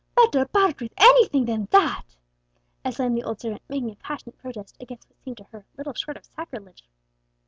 "Better part with anything than with that!" exclaimed the old servant, making a passionate protest against what seemed to her little short of sacrilege.